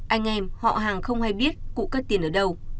anh em họ hàng không hay biết cụ có tiền ở đâu